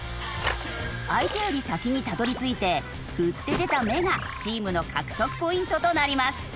相手より先にたどり着いて振って出た目がチームの獲得ポイントとなります。